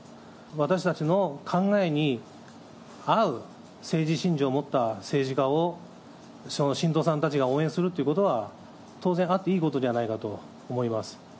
私たちの考えに合う政治信条を持った政治家を信徒さんたちが応援するということは、当然あっていいことではないかと思います。